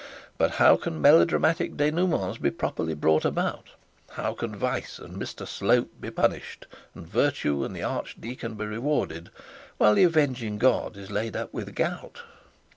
But how can melodramatic denouments be properly brought about, how can vice and Mr Slope be punished, and virtue and the archdeacon be rewarded, while the avenging god is laid up with the gout?